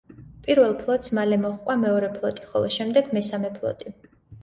პირველ ფლოტს მალე მოჰყვა მეორე ფლოტი, ხოლო შემდეგ მესამე ფლოტი.